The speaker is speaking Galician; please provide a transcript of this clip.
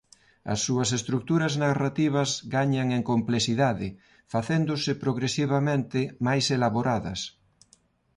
As súas estruturas narrativas gañan en complexidade facéndose progresivamente máis elaboradas.